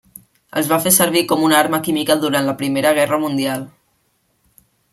Es va fer servir com arma química durant la Primera Guerra Mundial.